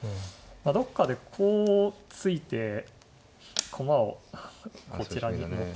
どっかでこう突いて駒をこちらに持っていきたい。